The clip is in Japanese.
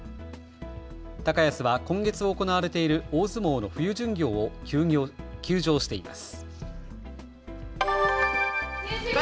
高安は今月行われている大相撲の冬巡業を休場しています。